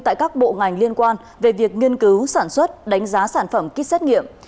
tại các bộ ngành liên quan về việc nghiên cứu sản xuất đánh giá sản phẩm kit xét nghiệm